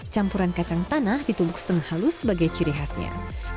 campuran kacang tanah ditumbuk setengah halus sebagai ciri khasnya